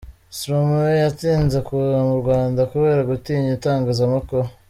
Stromae yatinze kuza mu Rwanda kubera gutinya itangazamakuru.